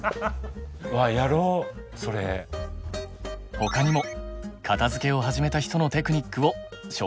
他にも片づけを始めた人のテクニックを紹介しますね。